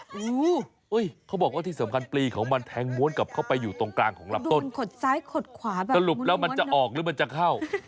โอ้โหเขาบอกว่าที่สำคัญปลีของมันแทงม้วนกลับเข้าไปอยู่ตรงกลางของลำต้นขดซ้ายขดขวาแบบนี้สรุปแล้วมันจะออกหรือมันจะเข้า